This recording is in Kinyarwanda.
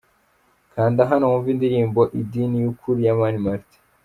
Kanda hano wumve indirimbo Idini y'ukuri ya Mani Martin.